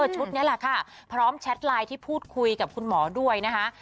ชุดนี้แหละค่ะพร้อมแชทไลน์ที่พูดคุยกับคุณหมอด้วยนะคะ